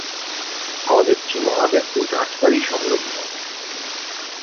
কলেজটি মহাদেবপুর রাজবাড়ি সংলগ্ন।